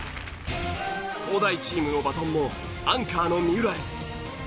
東大チームのバトンもアンカーの三浦へ。